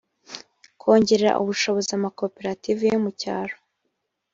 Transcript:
kongerera ubushobozi amakoperative yo mu cyaro